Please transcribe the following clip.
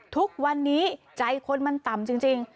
ทุกวันนี้ใจคนมันต่ำจริง